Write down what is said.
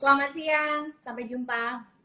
selamat siang sampai jumpa